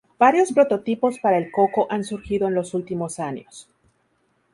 Varios prototipos para el CoCo han surgido en los últimos años.